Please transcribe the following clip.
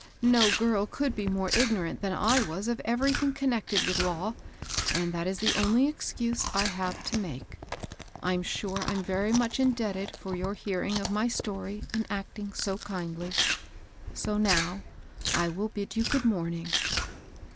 No girl could be more ignorant than I was of everything connected with law, and that is the only excuse I have to make. Fm sure I'm very much indebted for your hearing of my story and acting so kindly ; so now I will bid you good morning."